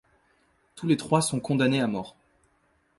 Tous les trois sont condamnés à mort.